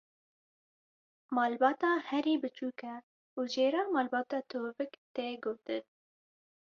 Malbata herî biçûk e, û jê re malbata tovik tê gotin.